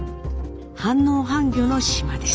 半農半漁の島です。